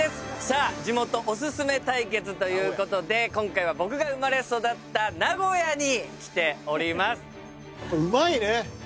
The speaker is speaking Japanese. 地元お薦め対決ということで今回は僕が生まれ育った名古屋に来ております。